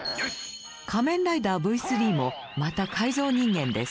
仮面ライダーＶ３もまた改造人間です。